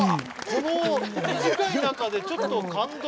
この短い中でちょっと感動。